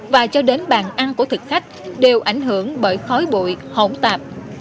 và cho đến bàn ăn của thực khách đều ảnh hưởng bởi khói bụi hổng tạp